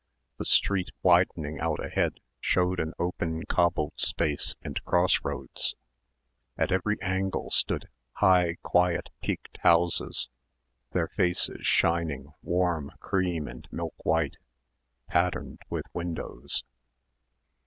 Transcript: The street widening out ahead showed an open cobbled space and cross roads. At every angle stood high quiet peaked houses, their faces shining warm cream and milk white, patterned with windows.